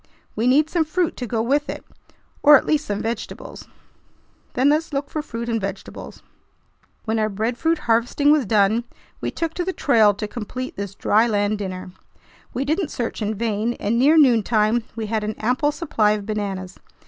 "We need some fruit to go with it, or at least some vegetables." "Then let's look for fruit and vegetables." When our breadfruit harvesting was done, we took to the trail to complete this "dry land dinner." We didn't search in vain, and near noontime we had an ample supply of bananas.